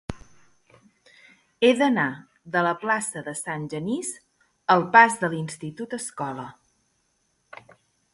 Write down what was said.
He d'anar de la plaça de Sant Genís al pas de l'Institut Escola.